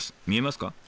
見えますか？